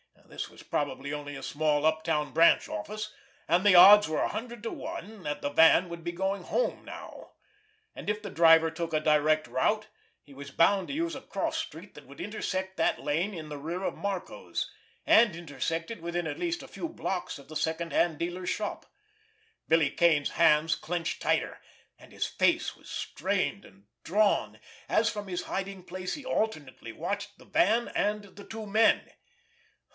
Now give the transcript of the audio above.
This was probably only a small uptown branch office, and the odds were a hundred to one that the van would be going home now. And if the driver took a direct route he was bound to use a cross street that would intersect that lane in the rear of Marco's, and intersect it within at least a few blocks of the second hand dealer's shop. Billy Kane's hands clenched tighter, and his face was strained and drawn, as from his hiding place he alternately watched the van and the two men.